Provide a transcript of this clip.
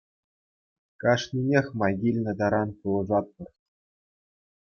Кашнинех май килнӗ таран пулӑшатпӑр.